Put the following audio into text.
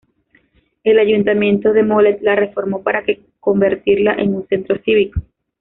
El Ayuntamiento de Mollet la reformó para que convertirla en un centro cívico.